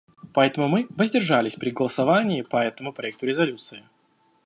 Поэтому мы воздержались при голосовании по этому проекту резолюции.